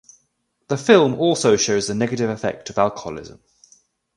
The film also shows the negative effect of alcoholism.